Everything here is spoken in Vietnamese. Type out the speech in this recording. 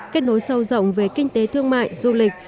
kết nối sâu rộng về kinh tế thương mại du lịch